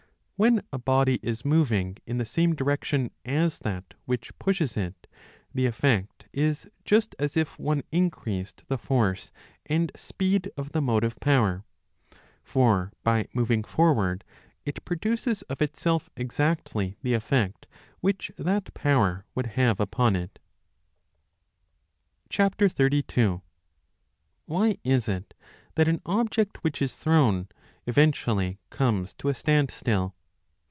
When a body is moving in the same direction as that which pushes it, the effect is just 10 as if one increased the force and speed of the motive power ; for by moving forward it produces of itself exactly the effect which that power would have upon it. $ WHY is it that an object which is thrown eventually comes to a standstill